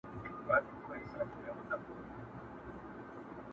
o خواره وږې، څه به مومې د سوى د سږې٫